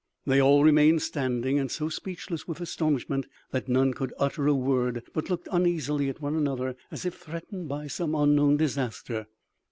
They all remained standing and so speechless with astonishment that none could utter a word, but looked uneasily at one another as if threatened by some unknown disaster.